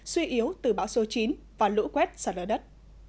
suy yếu từ bão số chín và lũ quét xa lỡ đất